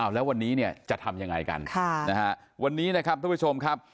แล้ววันนี้เนี่ยจะทำยังไงกันวันนี้นะครับทุกผู้ชมครับ